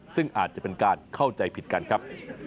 ซึ่งอาจจะเป็นการเข้าใจผิดกันครับ